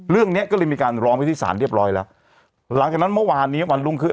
เนี้ยก็เลยมีการร้องไปที่ศาลเรียบร้อยแล้วหลังจากนั้นเมื่อวานนี้วันรุ่งขึ้น